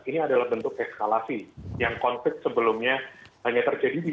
ini adalah bentuk eskalasi yang konflik sebelumnya hanya terjadi di